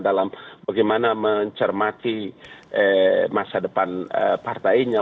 dalam bagaimana mencermati masa depan partainya